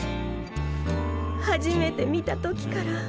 初めて見た時から。